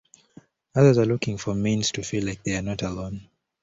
Others are looking for a means to feel like they are not alone.